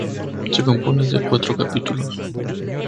Se compone de cuatro capítulos.